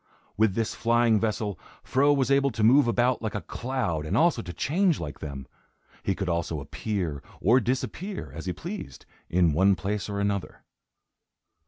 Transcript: With this flying vessel, Fro was able to move about like a cloud and also to change like them. He could also appear, or disappear, as he pleased, in one place or another.